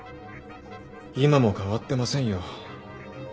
今も変わってませんよ。